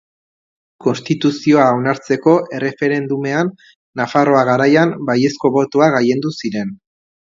Konstituzioa onartzeko erreferendumean, Nafarroa Garaian baiezko botoak gailendu ziren.